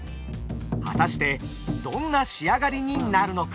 果たしてどんな仕上がりになるのか。